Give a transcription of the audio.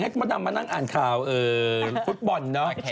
มดดำมานั่งอ่านข่าวฟุตบอลเนาะ